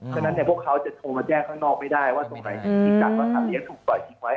เพราะฉะนั้นพวกเขาจะโทรมาแจ้งข้างนอกไม่ได้ว่าส่วนไหร่ที่ทิ้งจัดก็ถัดเลี้ยงถูกไว้